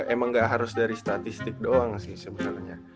emang gak harus dari statistik doang sih sebenarnya